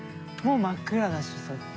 もう真っ暗だし外。